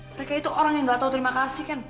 mereka itu orang yang nggak tahu terima kasih ken